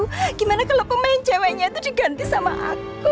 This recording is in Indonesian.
bagaimana kalo pemain ceweknya tuh diganti sama aku